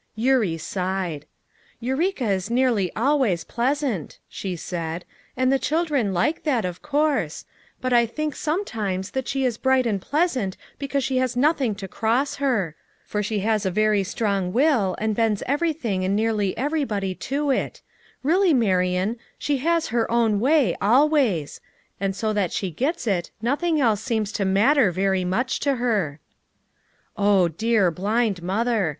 ' Eurie' sighed. "Eureka is nearly always pleasant," she said, "and the children like that, of course — but I think sometimes that she is bright and pleasant because she has nothing to cross her; for she has a very strong will, and bends everything and nearly everybody to it; really, Marian, she has her own way, always; and so that she gets it nothing else seems to matter very much to her." Oh. dear blind mother